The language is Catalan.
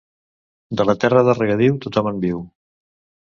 De la terra de regadiu, tothom en viu.